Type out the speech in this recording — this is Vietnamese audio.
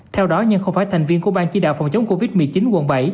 theo đó nhân không phải thành viên của ban chí đạo phòng chống covid một mươi chín quận bảy